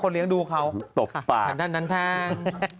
ของเราคือธรรมดาที่ไหน